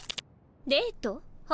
デート？は？